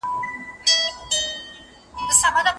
په اسلامي نصوصو کې کوم حکم شوی دی؟